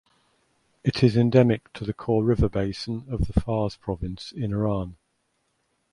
It is endemic to the Kor River basin of the Fars Province in Iran.